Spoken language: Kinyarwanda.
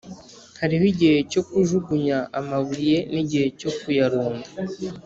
Hariho igihe cyo kujugunya amabuye nigihe cyo kuyarunda